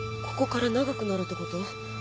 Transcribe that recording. ここから長くなるってこと？